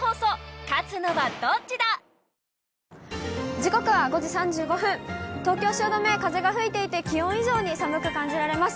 時刻は５時３５分、東京・汐留、風が吹いていて、気温以上に寒く感じられます。